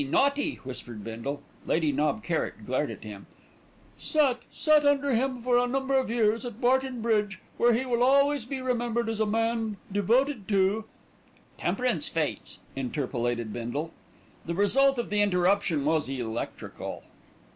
naughty!" whispered Bindle. Lady Knob Kerrick glared at him), sat sat under him for a number of years at Barton Bridge, where he will always be remembered as a man devoted to" ("Temperance fêtes!" interpolated Bindle.) The result of the interruption was electrical.